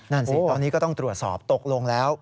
นั่นสิตอนนี้ก็ต้องตรวจสอบตกลงแล้ว